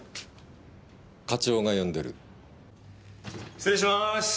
失礼します。